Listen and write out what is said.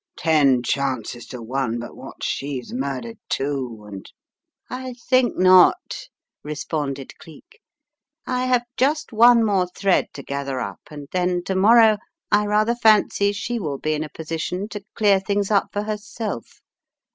"Ten chances to one, but what she's murdered, too, and " "I think not," responded Cleek. "I have just one more thread to gather up, and then to morrow I rather fancy she will be in a position to clear things up for herself.